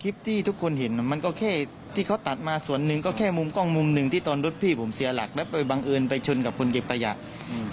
คลิปที่ทุกคนเห็นมันก็แค่ที่เขาตัดมาส่วนหนึ่งก็แค่มุมกล้องมุมหนึ่งที่ตอนรถพี่ผมเสียหลักแล้วไปบังเอิญไปชนกับคนเก็บขยะอืม